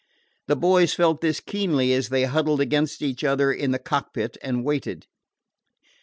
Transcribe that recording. The boys felt this keenly as they huddled against each other in the cockpit and waited.